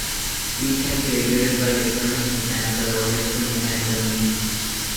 Speed can be regulated by electronic, mechanical, or electro-mechanical means.